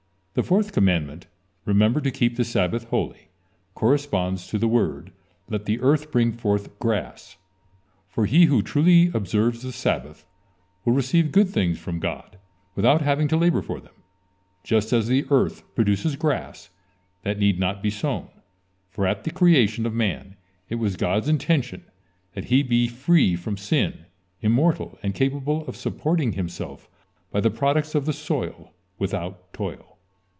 The fourth commandment: "Remember to keep the Sabbath holy," corresponds to the word: "Let the earth bring forth grass," for he who truly observes the Sabbath will receive good things from God without having to labor for them, just as the earth produces grass that need not be sown. For at the creation of man it was God's intention that he be free from sin, immortal, and capable of supporting himself by the products of the soil without toil.